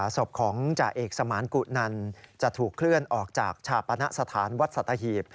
ศพของจ่าเอกสมานกุนันจะถูกเคลื่อนออกจากชาปณะสถานวัดสัตหีบ